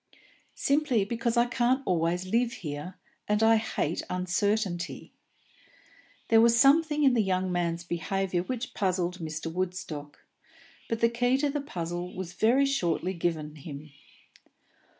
"Simply because I can't always live here, and I hate uncertainty." There was something in the young man's behaviour which puzzled Mr. Woodstock; but the key to the puzzle was very shortly given him.